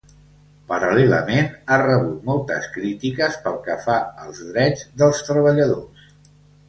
Paral·lelament, ha rebut moltes crítiques pel que fa als drets dels treballadors.